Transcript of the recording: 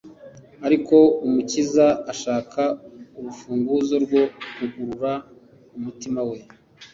ariko Umukiza ashaka urufunguzo rwo kugurura umutima we,